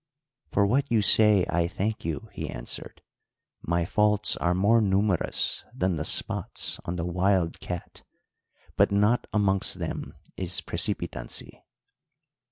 "'For what you say, I thank you,' he answered. 'My faults are more numerous than the spots on the wild cat, but not amongst them is precipitancy.'